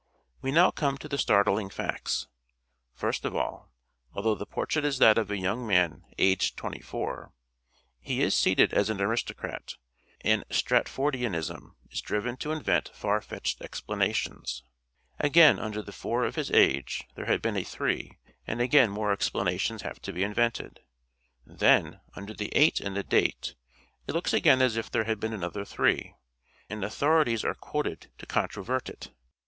We now come to the startling facts. First of all, although the portrait is that of a young man aged twenty four, he is dressed as an aristocrat, and Strat fordianism is driven to invent far fetched explanations. Again under the 4 of his age there had been a 3, and again more explanations have to be invented. Then, under the 8 in the date it looks again as if there had been another 3, and authorities are quoted to contro vert it.